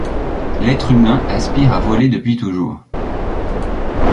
L'être humain aspire à voler depuis toujours.